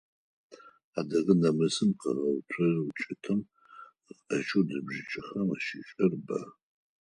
Адыгэ намысым къыгъэуцурэ укӀытэм къыхэкӀэу ныбжьыкӀэхэм ащыӀэрэр бэ.